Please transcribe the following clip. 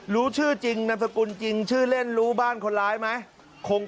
รู้ชื่อจริงนามสกุลจริงชื่อเล่นรู้บ้านคนร้ายไหม